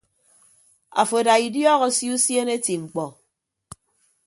Afo ada idiọk osio usiene eti mkpọ.